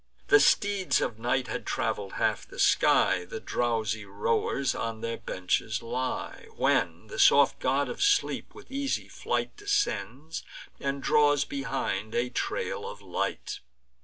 The steeds of Night had travel'd half the sky, The drowsy rowers on their benches lie, When the soft God of Sleep, with easy flight, Descends, and draws behind a trail of light.